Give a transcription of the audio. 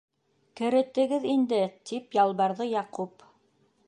Керетегеҙ инде, - тип ялбарҙы Яҡуп.